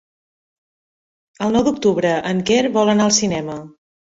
El nou d'octubre en Quer vol anar al cinema.